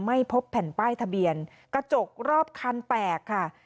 ไม่พบแผ่นป้ายทะเบียนกระจกรอบคันแตกค่ะ